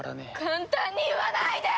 簡単に言わないで！